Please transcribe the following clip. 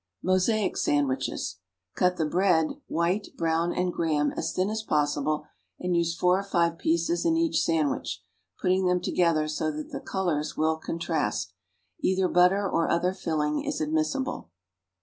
=Mosaic Sandwiches.= Cut the bread, white, brown and graham, as thin as possible, and use four or five pieces in each sandwich, putting them together so that the colors will contrast. Either butter or other filling is admissible.